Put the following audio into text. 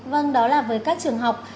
vâng đó là với các trường học